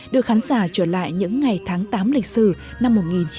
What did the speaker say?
được khán giả trở lại những ngày tháng tám lịch sử năm một nghìn chín trăm bốn mươi năm